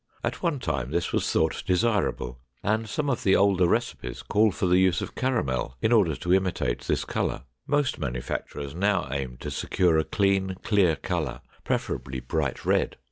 At one time this was thought desirable and some of the older recipes call for the use of caramel in order to imitate this color. Most manufacturers now aim to secure a clean, clear color, preferably bright red.